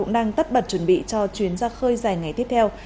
do chuyến ra khơi dài ngày tiếp theo